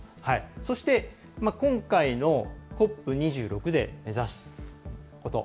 そして、今回のＣＯＰ２６で目指すこと。